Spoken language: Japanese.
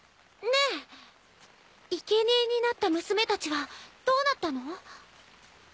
ねえいけにえになった娘たちはどうなったの？